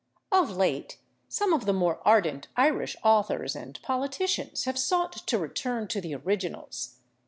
Of late some of the more ardent Irish authors and politicians have sought to return to the originals.